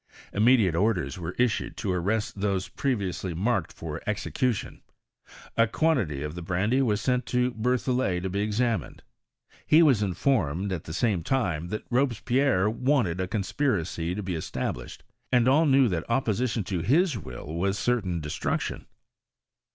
Immediate orders were issued to arrest those previously marked for execution. A quantity of the brandy was sent to SerthoUet to be examined. He was informed, at the same time, that Robespierre wanted a conspiracy to be established, and all knew that opposition to his will was certain destruction.